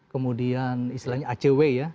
kemudian istilahnya acw ya